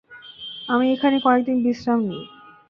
আমি এখানে কয়েকদিন বিশ্রাম নেই।